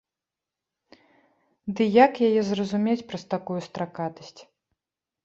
Ды як яе зразумець праз такую стракатасць?